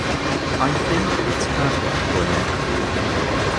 I think it's perfect for now.